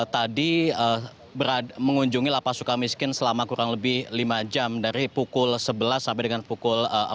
tadi mengunjungi lapas suka miskin selama kurang lebih lima jam dari pukul sebelas sampai dengan pukul empat belas